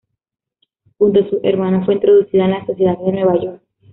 Junto a sus hermanas, fue introducida en la sociedad de Nueva York.